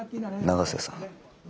永瀬さん。